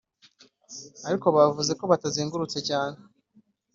ariko bavuze ko batazengurutse cyane